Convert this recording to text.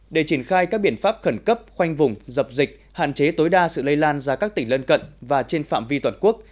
để triển khai các biện pháp khẩn cấp khoanh vùng dập dịch hạn chế tối đa sự lây lan ra các tỉnh lân cận và trên phạm vi toàn quốc